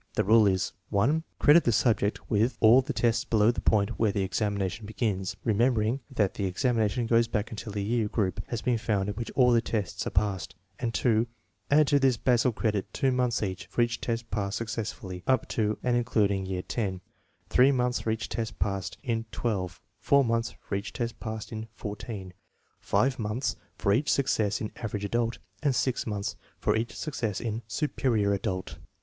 The rule is: (1) Credit the subject with all the tests below the point where the examination begins (remembering that the examination goes back until a year group has been found in which all the tests are passed); and () add to this basal credit 2 months for each test passed successfully up to and including year X, 3 months for each test passed in XII, 4 months for each test passed in XIV, 5 months for each success in " average adult," and 6 months for each success in " superior adult."